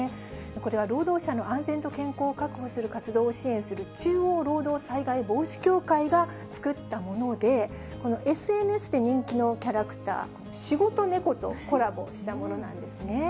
これは労働者の安全と健康を確保する活動を支援する、中央労働災害防止協会が作ったもので、ＳＮＳで人気のキャラクター、仕事猫とコラボしたものなんですね。